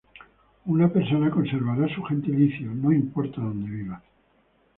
Una persona conservará su gentilicio no importa dónde viva.